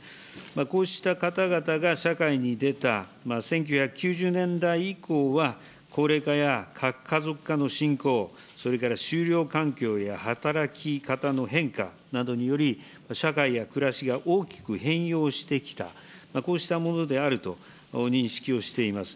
こうした方々が社会に出た１９９０年代以降は、高齢化や核家族化の進行、それから就労環境や働き方の変化などにより、社会や暮らしが大きく変容してきた、こうしたものであると認識をしています。